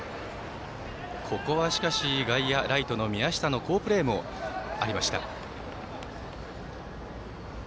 ここは、しかし外野、ライトの宮下の好プレーもありました。